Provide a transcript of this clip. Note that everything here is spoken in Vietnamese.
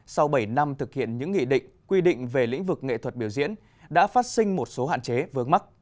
sau bảy năm thực hiện những nghị định quy định về lĩnh vực nghệ thuật biểu diễn đã phát sinh một số hạn chế vướng mắc